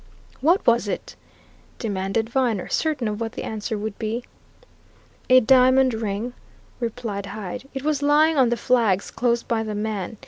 "What was it?" demanded Viner, certain of what the answer would be. "A diamond ring," replied Hyde. "It was lying on the flags close by the man.